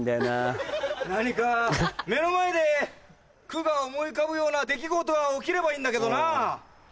何か目の前で句が思い浮かぶような出来事が起きればいいんだけどな。